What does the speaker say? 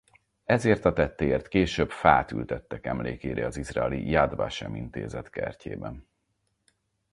Ezért a tettéért később fát ültettek emlékére az izraeli Jad Vasem intézet kertjében.